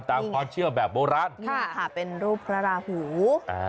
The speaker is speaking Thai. ตามความเชื่อแบบโบราณเป็นรูปพระราหู